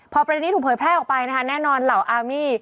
พอประเด็นนี้ถูกเผยแพร่ออกไปนะคะแน่นอนเหล่าอาร์มี่